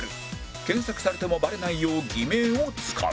検索されてもバレないよう偽名を使う